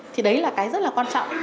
thì đấy là cái rất là quan trọng